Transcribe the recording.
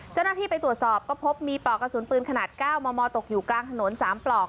เจ้าหน้าที่ไปตรวจสอบก็พบมีปลอกกระสุนปืนขนาด๙มมตกอยู่กลางถนน๓ปลอก